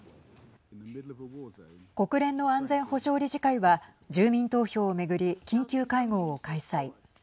国連の安全保障理事会は住民投票を巡り緊急会合を開催。